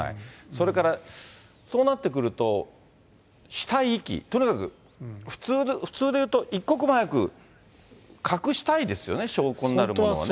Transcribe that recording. それから、そうなってくると、死体遺棄、とにかく普通でいうと、一刻も早く隠したいですよね、証拠になるものはね。